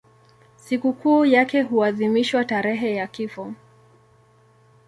Sikukuu yake huadhimishwa tarehe ya kifo.